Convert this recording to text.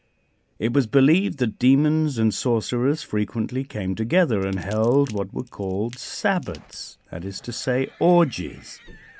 It was believed that demons and sorcerers frequently came together and held what were called "Sabbats;" that is to say, orgies.